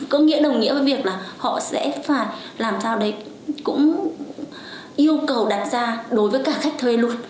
có nghĩa đồng nghĩa với việc là họ sẽ phải làm sao đấy cũng yêu cầu đặt ra đối với cả khách thuê luôn